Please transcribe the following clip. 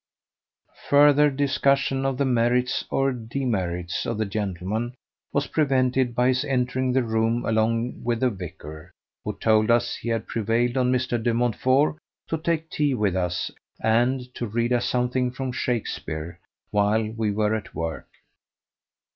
Further discussion of the merits or demerits of the gentleman was prevented by his entering the room along with the vicar, who told us he had prevailed on Mr. De Montfort to take tea with us and to read us something from Shakespeare while we were at work.